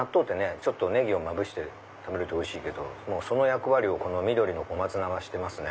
ちょっとネギをまぶして食べるとおいしいけどその役割を小松菜がしてますね。